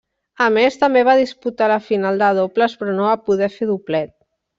A més, també va disputar la final de dobles però no va poder fer doblet.